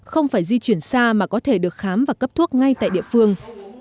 không phải di chuyển xa mà có thể được khám và cấp thuốc ngay tại địa phương